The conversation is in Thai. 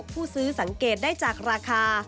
ผู้ซื้อสังเกตได้จากราคา